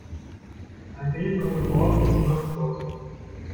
Ein Besen ohne Borsten ist nutzlos.